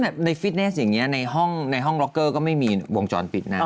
แบบในฟิตเนสอย่างนี้ในห้องในห้องล็อกเกอร์ก็ไม่มีวงจรปิดนะ